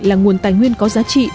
là nguồn tài nguyên có giá trị